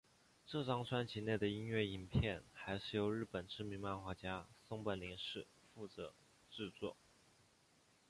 这张专辑内的音乐影片还是由日本知名漫画家松本零士负责制作。